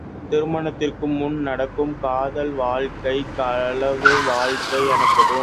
திருமணத்திற்கு முன் நடக்கும் காதல் வாழ்க்கை களவு வாழ்க்கை எனப்படும்.